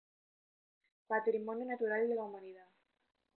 Patrimonio Natural de la Humanidad.